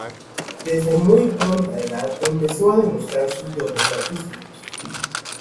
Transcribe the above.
Desde muy pronta edad empezó a demostrar sus dotes artísticos.